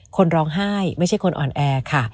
คนร้องไห้ไม่ใช่คนอ่อนแอค่ะ